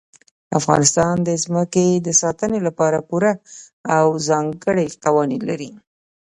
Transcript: افغانستان د ځمکه د ساتنې لپاره پوره او ځانګړي قوانین لري.